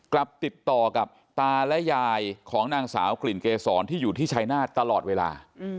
กลับติดต่อกับตาและยายของนางสาวกลิ่นเกษรที่อยู่ที่ชายนาฏตลอดเวลา